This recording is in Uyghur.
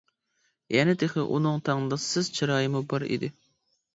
يەنە تېخى ئۇنىڭ تەڭداشسىز چىرايىمۇ بار ئىدى.